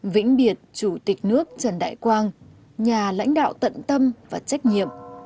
vĩnh biệt chủ tịch nước trần đại quang nhà lãnh đạo tận tâm và trách nhiệm